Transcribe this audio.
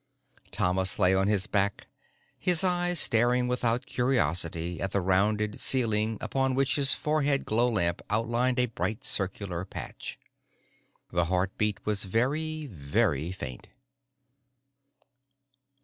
Thomas lay on his back, his eyes staring without curiosity at the rounded ceiling upon which his forehead glow lamp outlined a bright circular patch. The heartbeat was very, very faint.